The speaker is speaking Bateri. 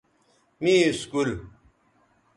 می اسکول